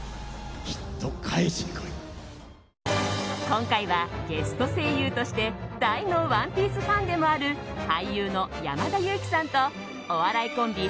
今回はゲスト声優として大の「ＯＮＥＰＩＥＣＥ」ファンでもある俳優の山田裕貴さんとお笑いコンビ